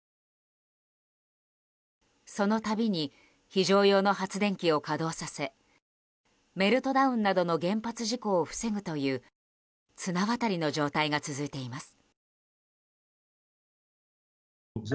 そのたびに非常用の発電機を稼働させメルトダウンなどの原発事故を防ぐという綱渡りの状態が続いています。